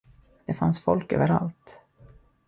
Det fanns folk överallt.